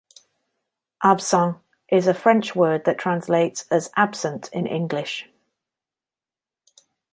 "Absente" is a French word that translates as "absent" in English.